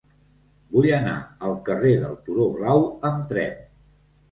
Vull anar al carrer del Turó Blau amb tren.